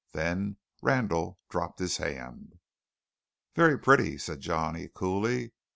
Then Randall dropped his hand. "Very pretty," said Johnny coolly.